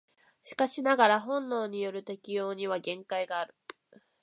しかしながら本能による適応には限界がある。